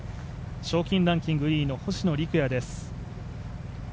賞金ランキング２位の星野陸也です